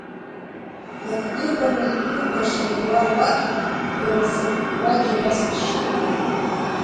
Акгьы ыҟамызт иубашаз уа уаҳа, иара саргьы убра џьара сыршьит.